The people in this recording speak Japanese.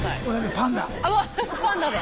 パンダで。